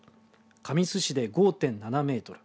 神栖市で５．７メートル